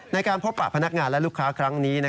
ในการพบปะพนักงานและลูกค้าครั้งนี้